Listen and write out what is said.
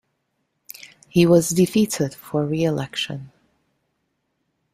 He was defeated for reelection.